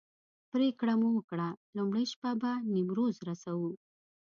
پرېکړه مو وکړه لومړۍ شپه به نیمروز رسوو.